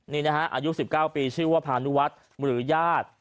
นี่นะฮะอายุ๑๙ปีชื่อว่าพานุวัฒน์หรือญาติ